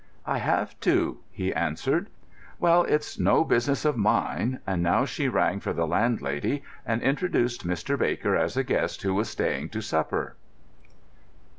"I have to," he answered. "Well, it's no business of mine;" and now she rang for the landlady and introduced Mr. Baker as a guest who was staying to supper.